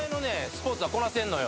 スポーツはこなせんのよ